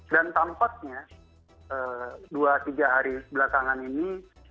dan tampaknya dua tiga hari belakangan ini